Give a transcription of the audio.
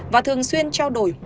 và thường xuyên trao đổi mua ma túy